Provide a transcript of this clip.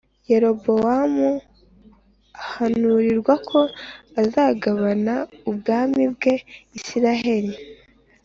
Yerobowamu ahanurirwa ko azagabana ubwami bwa Isirayeli